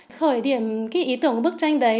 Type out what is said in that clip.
khởi điểm ý tưởng của bức tranh đấy